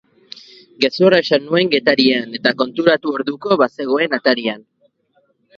Gezurra esan nuen Getarian eta konturatu orduko bazegoen atarian.